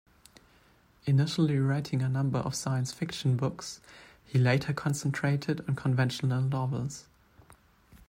Initially writing a number of science fiction books, he later concentrated on conventional novels.